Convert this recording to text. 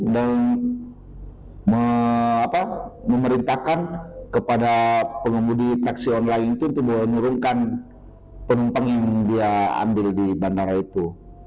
dan memerintahkan kepada pengemudi taksi online itu untuk menurunkan penumpang yang dia ambil di bandara itu